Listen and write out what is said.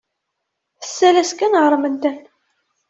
Tessal-as kan ɣer medden.